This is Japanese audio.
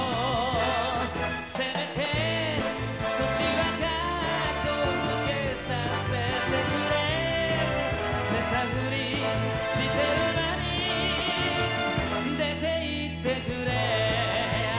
「せめて少しはカッコつけさせてくれ」「寝たふりしてる間に出て行ってくれ」